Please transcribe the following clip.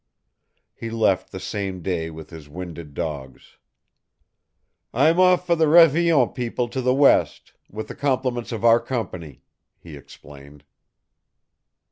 He left the same day with his winded dogs. "I'm off for the Révillon people to the west, with the compliments of our company," he explained.